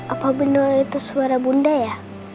apakah benar itu suara bunda ya